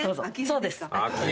そうです。